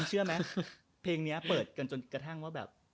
เชื่อไหมเพลงนี้เปิดกันจนกระทั่งว่าแบบ